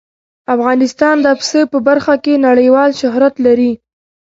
افغانستان د پسه په برخه کې نړیوال شهرت لري.